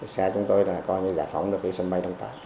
xe chúng tôi là coi như giải phóng được cái sân bay đông tả